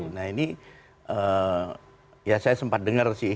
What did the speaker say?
nah ini ya saya sempat dengar sih